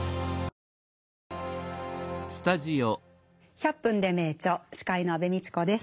「１００分ｄｅ名著」司会の安部みちこです。